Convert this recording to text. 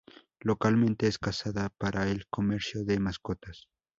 Localmente es cazada para el comercio de mascotas.